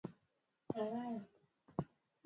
kutayarisha mahojiano ya studio ni rahisi sana